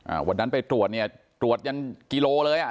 อ่าวันนั้นไปตรวจเนี่ยตรวจยังกิโลเลยอ่ะ